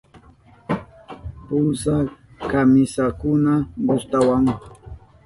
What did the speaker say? Pulsa kamisakuna gustawan.